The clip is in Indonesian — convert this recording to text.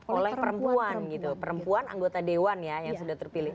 oleh perempuan perempuan anggota dewan yang sudah terpilih